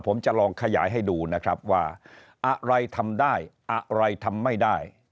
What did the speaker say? ผมจะลองขยายให้ดูนะครับว่าอะไรทำได้อะไรทำไม่ได้